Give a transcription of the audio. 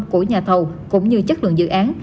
của nhà thầu cũng như chất lượng dự án